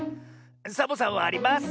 サボさんはあります！